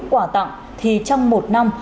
quả tặng thì trong một năm